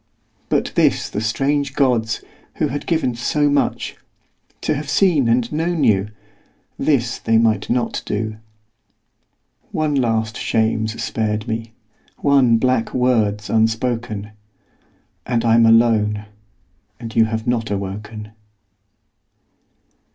But this the strange gods, who had given so much, To have seen and known you, this they might not do. One last shame's spared me, one black word's unspoken; And I'm alone; and you have not awoken.